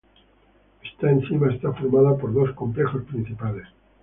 Esta enzima está formada por dos complejos principales.